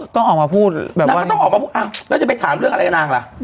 ต้องออกมาพูดนางก็ต้องออกมาพูดอ้าวแล้วจะไปถามเรื่องอะไรกับนางล่ะ